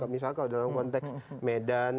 misalkan dalam konteks medan